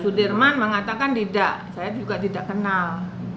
sudirman mengatakan tidak saya juga tidak kenal